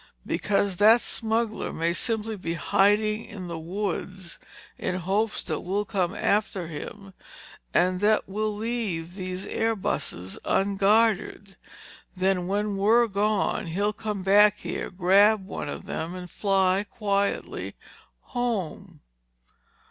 "Because that smuggler may simply be hiding in the woods in hopes that we'll come after him and that we'll leave these airbuses unguarded. Then when we're gone, he'll come back here, grab one of them and fly quietly home."